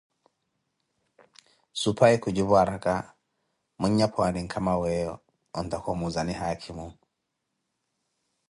Suphayi kujipu araka, mwinya pwaani nkama weeyo ontaka omuuza nini haakhimo?